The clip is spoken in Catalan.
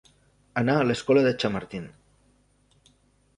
Anar a l'escola de Chamartín.